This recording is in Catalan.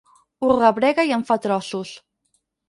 Ho rebrega i en fa trossos.